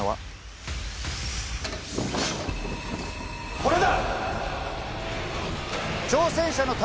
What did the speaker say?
これだ！